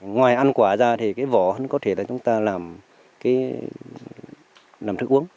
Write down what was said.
ngoài ăn quả ra thì cái vỏ hấn có thể là chúng ta làm thức uống